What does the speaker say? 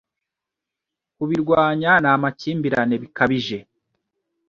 Kubirwanya namakimbirane bikabije